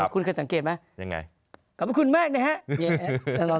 คุณเคยสังเกตไหม